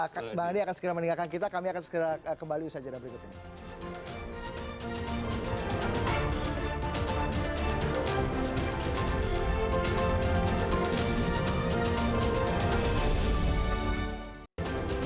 mbak andi akan segera meninggalkan kita kami akan segera kembali usaha jadwal berikut ini